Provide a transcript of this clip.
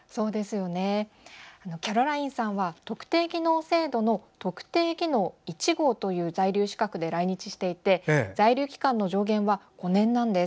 キャロラインさんは特定技能制度の特定技能１号という在留資格で来日していて在留期間の上限は５年なんです。